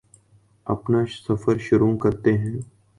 اپنا سفر شروع کرتے ہیں